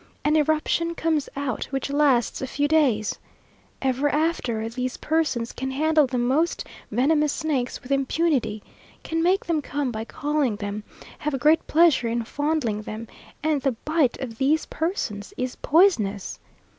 An eruption comes out, which lasts a few days. Ever after, these persons can handle the most venomous snakes with impunity; can make them come by calling them, have great pleasure in fondling them; and the bite of these persons is poisonous!